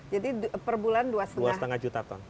jadi per bulan dua lima juta ton